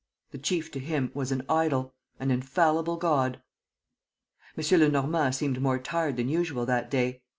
The chief to him was an idol, an infallible god. M. Lenormand seemed more tired than usual that day.